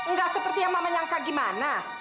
nggak seperti yang mama nyangka gimana